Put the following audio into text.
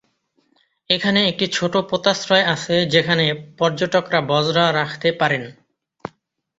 এখানে একটি ছোট পোতাশ্রয় আছে যেখানে পর্যটকরা বজরা রাখতে পারেন।